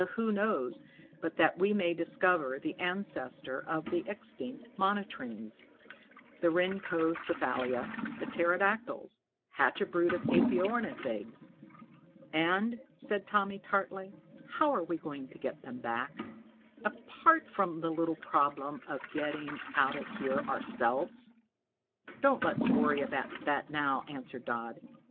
Who knows but that we may discover the ancestor of the extinct monotremes, the rhynchocephalia, the pterodactyls, hatch a brood of aepyornis eggs " "And," said Tommy tartly, "how are we going to get them back, apart from the little problem of getting out of here ourselves?" "Don't let's worry about that now," answered Dodd.